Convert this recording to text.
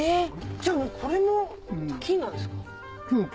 じゃあこれも金なんですか？